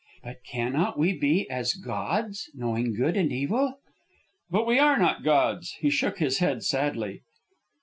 "But cannot we be as gods, knowing good and evil?" "But we are not gods," he shook his head, sadly.